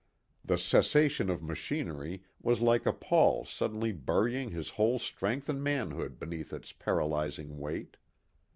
The cessation of machinery was like a pall suddenly burying his whole strength and manhood beneath its paralyzing weight.